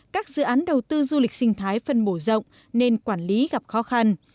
các dự án đầu tư du lịch sinh thái phân bổ rộng nên quản lý gặp khó khăn